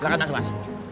belakang mas mas